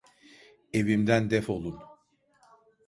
Evimden defolun!